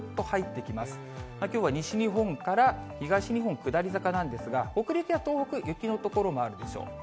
きょうは西日本から東日本、下り坂なんですが、北陸や東北、雪の所もあるでしょう。